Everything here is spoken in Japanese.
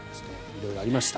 色々ありました。